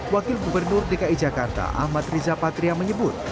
wakil gubernur dki jakarta ahmad riza patria menyebut